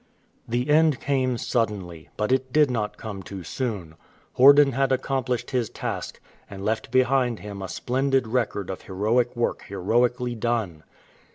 The end came suddenly, but it did not come too soon. Horden had accomplished his task, and left behind him a splendid record of heroic work heroically done.